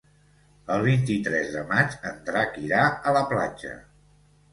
El vint-i-tres de maig en Drac irà a la platja.